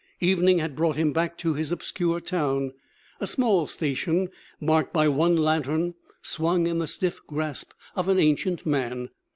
Evening had brought him back to his obscure town, a small station marked by one lantern swung in the stiff grasp of an ancient man.